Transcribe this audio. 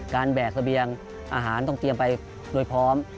แบกเสบียงอาหารต้องเตรียมไปโดยพร้อม